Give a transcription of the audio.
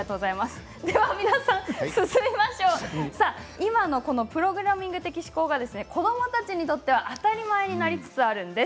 今のプログラミング的思考が子どもたちにとっては当たり前になりつつあります。